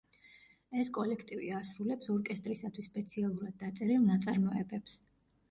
ეს კოლექტივი ასრულებს ორკესტრისათვის სპეციალურად დაწერილ ნაწარმოებებს.